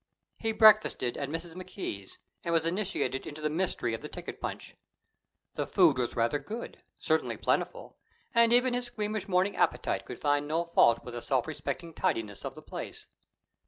He breakfasted at Mrs. McKee's, and was initiated into the mystery of the ticket punch. The food was rather good, certainly plentiful; and even his squeamish morning appetite could find no fault with the self respecting tidiness of the place.